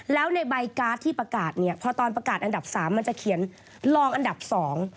แล้วในใบการ์ดที่ประกาศเนี่ยพอตอนประกาศอันดับสามมันจะเขียนลองอันดับสอง